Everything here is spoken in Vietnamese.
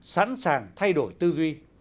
sẵn sàng thay đổi tư duy